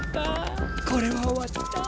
これは終わった。